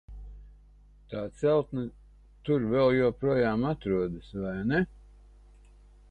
Tā celtne tur vēl joprojām atrodas, vai ne?